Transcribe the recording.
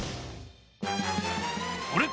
あれ？